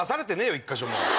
１か所も！